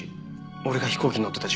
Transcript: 俺が飛行機に乗ってた時間だ。